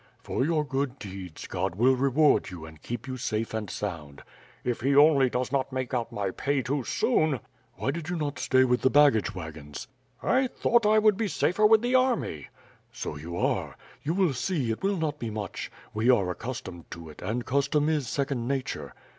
"For your good deeds, God will reward you and keep you safe and sound." "If he only does not make out my pay too soon." "Why did you not stay with the baggage wagons?" "I thought I would be safer with the army." "So you are. You will see; it will not be much. We are accustomed to it, and custom is second nature."